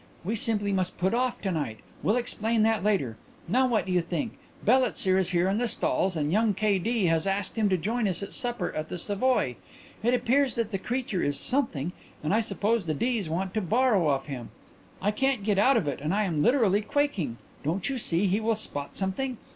We simply must put off to night. Will explain that later. Now what do you think? Bellitzer is here in the stalls and young K. D. has asked him to join us at supper at the Savoy. It appears that the creature is Something and I suppose the D.'s want to borrow off him. I can't get out of it and I am literally quaking. Don't you see, he will spot something?